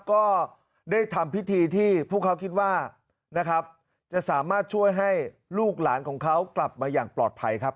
ก็ได้ทำพิธีที่พวกเขาคิดว่านะครับจะสามารถช่วยให้ลูกหลานของเขากลับมาอย่างปลอดภัยครับ